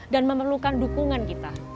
dan memerlukan dukungan kita